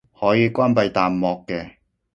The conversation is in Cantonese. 可以關閉彈幕嘅